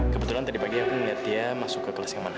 kebetulan tadi pagi aku melihat dia masuk ke kelas yang mana